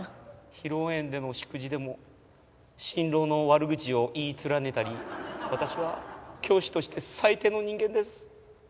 披露宴での祝辞でも新郎の悪口を言い連ねたり私は教師として最低の人間です。